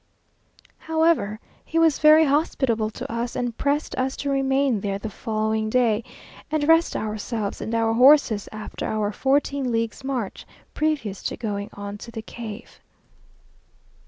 However, he was very hospitable to us, and pressed us to remain there the following day, and rest ourselves and our horses after our fourteen leagues march, previous to going on to the cave.